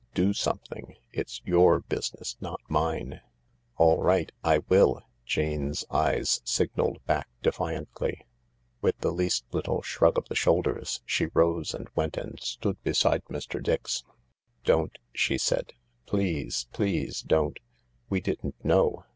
Do something. It's your business, not mine." "All right, I will," Jane's eyes signalled back defiantly. With the least little shrug of the shoulders she rose and went and stood beside Mr. Dix. "Don't," she said j "please, please don't! We didn't know.